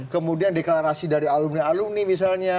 kemudian deklarasi dari alumni alumni misalnya